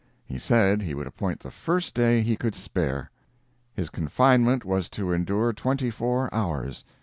He said he would appoint the very first day he could spare. His confinement was to endure twenty four hours.